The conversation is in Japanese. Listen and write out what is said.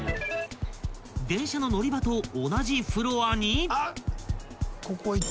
［電車の乗り場と同じフロアに］